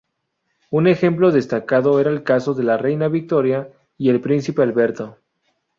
Un ejemplo destacado era el caso de la Reina Victoria y el Príncipe Alberto.